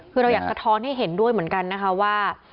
คือเราอยากสะท้อนให้เห็นด้วยเหมือนกันนะคะว่า